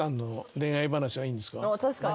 確かに。